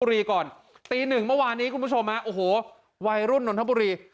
ก่อนตีหนึ่งเมื่อวานนี้คุณผู้ชมฮะโอ้โหวัยรุ่นนนทบุรี